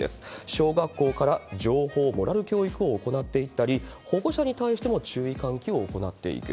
小学校から情報モラル教育を行っていったり、保護者に対しても注意喚起を行っていく。